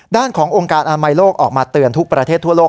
ด้านขององค์การอนามัยโลกออกมาเตือนทุกประเทศทั่วโลก